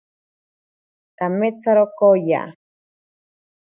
Kametsaro kooya.